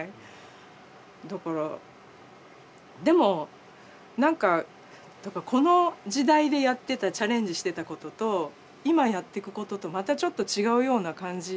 だからでも何かこの時代でやってたチャレンジしてたことと今やってくこととまたちょっと違うような感じがしませんか？